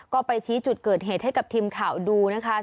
ก็ไปชี้จุดเกิดเหตุให้กับทีมข่าวดูนะคะ